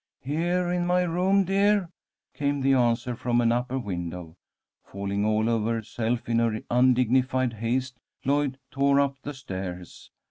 "Here in my room, dear," came the answer from an upper window. Falling all over herself in her undignified haste, Lloyd tore up the stairs.